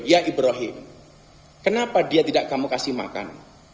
ya ibrahim kenapa dia tidak kamu kasih makan